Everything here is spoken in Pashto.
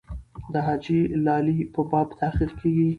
د حاجي لالي په باب تحقیق کېږي.